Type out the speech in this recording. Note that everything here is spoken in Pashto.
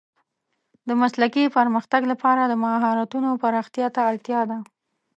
د مسلکي پرمختګ لپاره د مهارتونو پراختیا ته اړتیا ده.